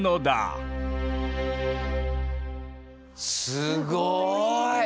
すごい。